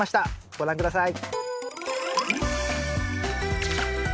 ご覧下さい。